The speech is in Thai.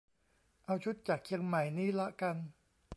เอาชุดจากเชียงใหม่นี้ละกัน